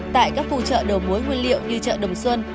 tại các phù trợ đầu mối nguyên liệu như chợ đồng xuân